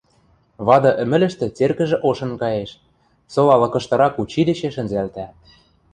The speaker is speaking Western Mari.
Вады ӹмӹлӹштӹ церкӹжӹ ошын каеш, сола лыкыштырак училище шӹнзӓлтӓ.